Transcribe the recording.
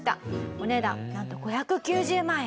お値段なんと５９０万円。